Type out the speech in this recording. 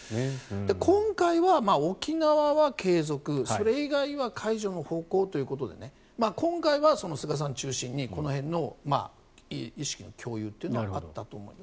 今回は沖縄は継続、それ以外は解除の方向ということで今回は菅さん中心にこの辺の意識の共有はあったと思います。